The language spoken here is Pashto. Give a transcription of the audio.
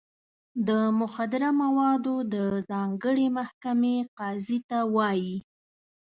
د مخدره موادو د ځانګړې محکمې قاضي ته وایي.